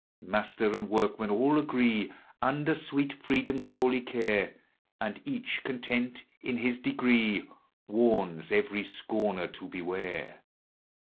Master and workmen all agree, Under sweet Freedom's holy care, And each content in his degree, Warns every scorner to beware.